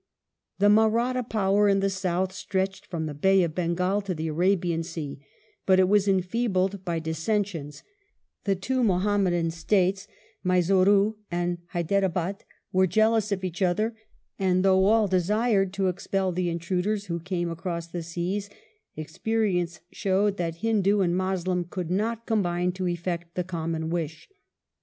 The Mahratta power in the south stretched from the Bay of Bengal to the Arabian Sea, but it was enfeebled by dissensions ; the two Mohammedan states, Mysore and Hyderabad, were jealous of each other; and though all desired to expel the intruders who came across the seas, experience showed that Hindoo and Moslem could not combine to effect the common wish.